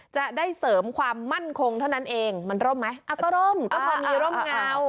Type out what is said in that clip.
จะได้เสริมความมั่นคงเท่านั้นเองมันร่มไหมก็ร่มก็พอมีร่มเงา